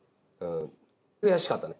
悔しかったね。